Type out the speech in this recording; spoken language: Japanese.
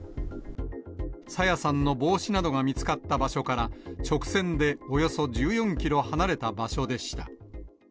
朝芽さんの帽子などが見つかった場所から、直線でおよそ１４キロ離れた場所でした。